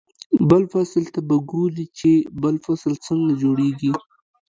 بل فصل ته به ګوري چې بل فصل څنګه جوړېږي.